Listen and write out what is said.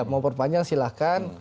mau perpanjang silahkan